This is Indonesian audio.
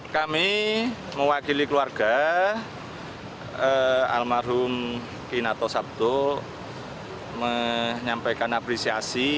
kami mewakili keluarga almarhum kinarto sabdo menyampaikan apresiasi